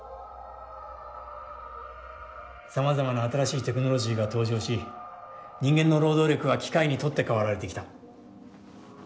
さまざまな新しいテクノロジーが登場し人間の労働力は機械に取って代わられてきた。